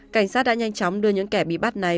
cảnh sát đã nhanh chóng đưa những kẻ bị bắt này